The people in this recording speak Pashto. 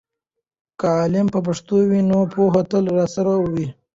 که علم په پښتو وي، نو پوهه تل راسره وي.